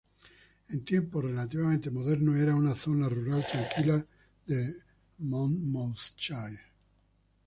En tiempos relativamente modernos era una zona rural tranquila de Monmouthshire.